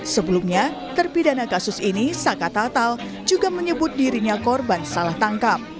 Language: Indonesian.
sebelumnya terpidana kasus ini saka tatal juga menyebut dirinya korban salah tangkap